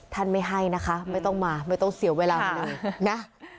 ทันไม่ให้นะคะไม่ต้องมาไม่ต้องเสียวเวลาเหมือนกันเลยนะ